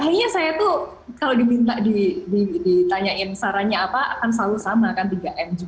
kayaknya saya tuh kalau diminta ditanyain sarannya apa akan selalu sama kan tiga m juga